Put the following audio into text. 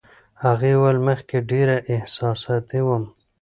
هغې وویل، مخکې ډېره احساساتي وم.